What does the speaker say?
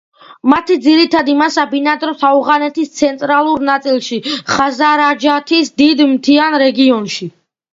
მათი ძირითადი მასა ბინადრობს ავღანეთის ცენტრალურ ნაწილში, ხაზარაჯათის დიდ მთიან რეგიონში.